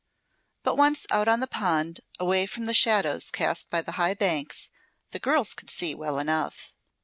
But once out on the pond, away from the shadows cast by the high banks, the girls could see well enough.